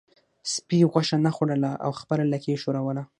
سپي غوښه نه خوړله او خپله لکۍ یې ښوروله.